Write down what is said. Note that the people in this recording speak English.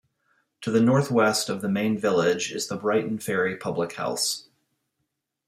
To the north-west of the main village is the Breighton Ferry public house.